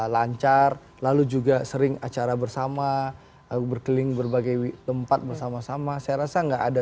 lancar lalu juga sering acara bersama berkeliling berbagai tempat bersama sama saya rasa enggak ada